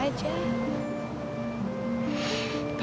saya baik baik aja